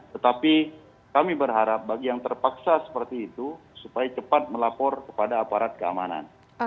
tetapi kami berharap bagi yang terpaksa seperti itu supaya cepat melapor kepada aparat keamanan